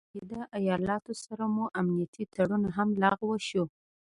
د متحده ايالاتو سره مو امنيتي تړون هم لغوه شو